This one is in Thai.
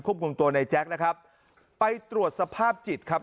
คุมตัวในแจ๊คนะครับไปตรวจสภาพจิตครับ